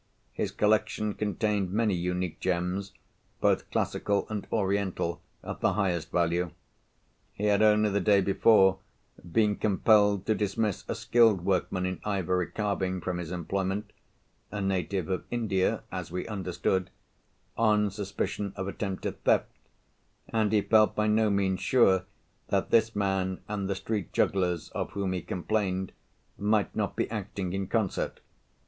His collection contained many unique gems, both classical and Oriental, of the highest value. He had only the day before been compelled to dismiss a skilled workman in ivory carving from his employment (a native of India, as we understood), on suspicion of attempted theft; and he felt by no means sure that this man and the street jugglers of whom he complained, might not be acting in concert.